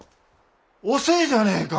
遅えじゃねえか。